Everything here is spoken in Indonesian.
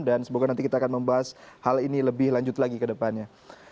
dan semoga nanti kita akan membahas hal ini lebih lanjut lagi ke depannya